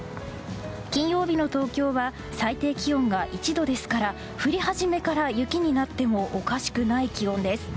金曜日の東京は最低気温が１度ですから降り始めから雪になってもおかしくない気温です。